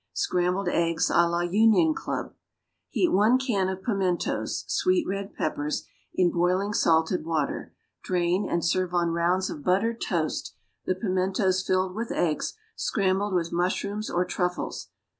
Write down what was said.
=Scrambled Eggs à la Union Club.= Heat one can of pimentos (sweet red peppers) in boiling salted water; drain, and serve on rounds of buttered toast the pimentos filled with eggs scrambled with mushrooms or truffles.